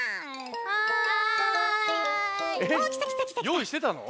よういしてたの？